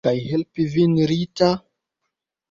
Kaj helpi vin, Rita?